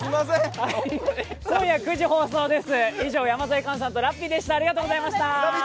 今夜９時放送です。